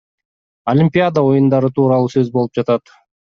Олимпиада оюндары тууралуу сөз болуп жатат.